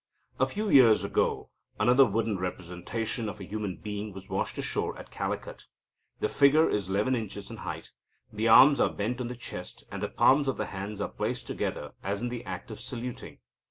A few years ago, another wooden representation of a human being was washed ashore at Calicut. The figure is 11 inches in height. The arms are bent on the chest, and the palms of the hands are placed together as in the act of saluting.